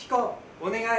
お願い！